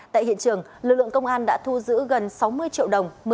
tại hiện trường lực lượng công an đã thu giữ gần sáu mươi triệu đồng